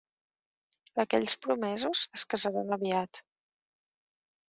Aquells promesos es casaran aviat.